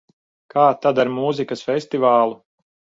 Kā tad ar mūzikas festivālu?